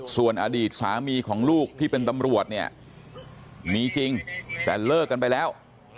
ส่วนอดีตสามีของลูกที่เป็นตำรวจเนี่ยมีจริงแต่เลิกกันไปแล้ว